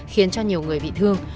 khiến cho nhiều người bị thương